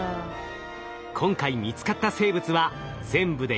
今回見つかった生物は全部で４種類。